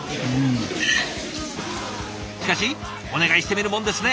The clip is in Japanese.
しかしお願いしてみるもんですね。